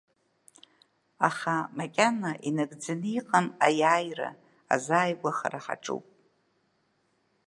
Аха макьана инагӡаны иҟам аиааира, азааигәахара ҳаҿуп.